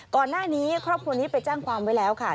ก่อนหน้านี้ครอบครัวนี้ไปจ้างความไว้แล้วค่ะ